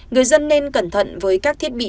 người dân nên cẩn thận với các thiết bị